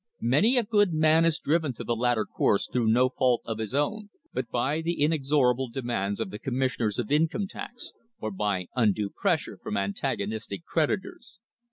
Many a good man is driven to the latter course through no fault of his own, but by the inexorable demands of the Commissioners of Income Tax, or by undue pressure from antagonistic creditors.